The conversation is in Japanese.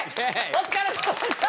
お疲れさまでした！